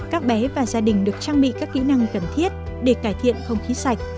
các bé và gia đình được trang bị các kỹ năng cần thiết để cải thiện không khí sạch